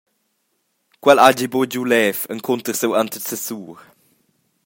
Quel hagi buca giu lev encunter siu antecessur.